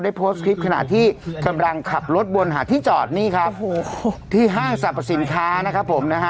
โพสต์คลิปขณะที่กำลังขับรถวนหาที่จอดนี่ครับที่ห้างสรรพสินค้านะครับผมนะฮะ